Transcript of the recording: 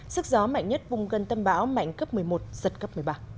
sức gió mạnh nhất vùng gần tâm bão mạnh cấp một mươi một giật cấp một mươi ba